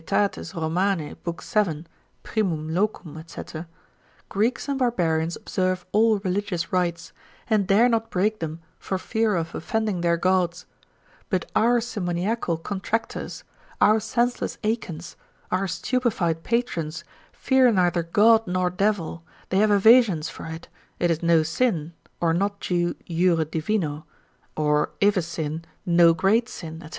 Rom. lib. 7. Primum locum, &c. Greeks and Barbarians observe all religious rites, and dare not break them for fear of offending their gods; but our simoniacal contractors, our senseless Achans, our stupefied patrons, fear neither God nor devil, they have evasions for it, it is no sin, or not due jure divino, or if a sin, no great sin, &c.